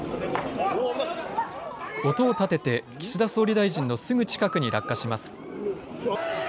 音を立てて岸田総理大臣のすぐ近くに落下します。